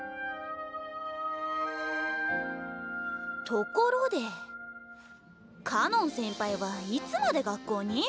ところでかのん先輩はいつまで学校に？